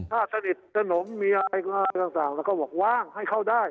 ถ้าสนิทสนมมีอะไรต่างแล้วก็บอกว่างให้เข้าได้